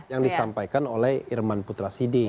yang disampaikan oleh irman putra sidi